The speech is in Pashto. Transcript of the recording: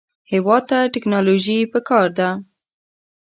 هېواد ته ټیکنالوژي پکار ده